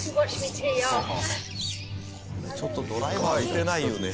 ちょっとドライバーは打てないよね。